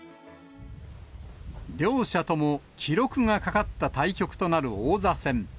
両者とも記録がかかった対局となる王座戦。